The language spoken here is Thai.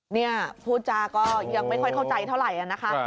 เนี่ยพูดจาก็ยังไม่ค่อยเข้าใจเท่าไหร่นะคะ